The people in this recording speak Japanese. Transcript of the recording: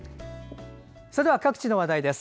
それでは各地の話題です。